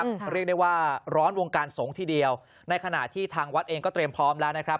เรียกได้ว่าร้อนวงการสงฆ์ทีเดียวในขณะที่ทางวัดเองก็เตรียมพร้อมแล้วนะครับ